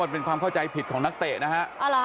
เป็นความเข้าใจผิดของนักเตะนะฮะ